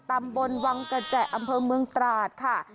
ตำบลวังกระแจอำเภอเมืองตราดค่ะ